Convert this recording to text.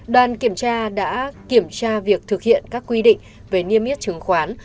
đoàn kiểm tra đã kiểm tra việc thực hiện các quy định về niêm yết chứng khoán